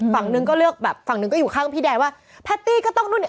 ฝั่งนึงก็เลือกแบบฝั่งหนึ่งก็อยู่ข้างพี่แดนว่าแพตตี้ก็ต้องนู่นเนี่ย